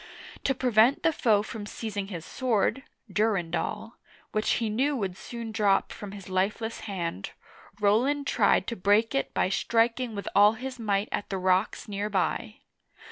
To prevent the foe from seizing his sword ("Durendal"), which he knew would soon drop from his lifeless hand, Roland tried to break it by striking with all his might at the rocks near by.